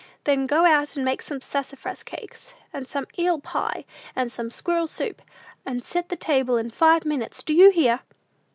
Then go out and make some sassafras cakes, and some eel pie, and some squirrel soup; and set the table in five minutes: do you hear?"